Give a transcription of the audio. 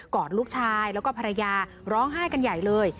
อดลูกชายแล้วก็ภรรยาร้องไห้กันใหญ่เลย